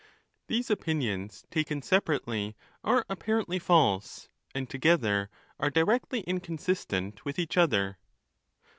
These opinions, taken separately, are apparently false; and, together, are directly inconsistent with each other.